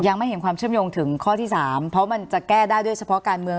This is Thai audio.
ยังไม่เห็นความเชื่อมโยงถึงข้อที่๓เพราะมันจะแก้ได้ด้วยเฉพาะการเมือง